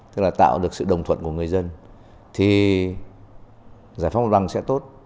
tức là tạo được sự đồng thuận của người dân thì giải pháp mặt bằng sẽ tốt